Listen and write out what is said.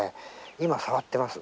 今、触っています。